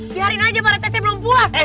biarin aja para tesnya belum puas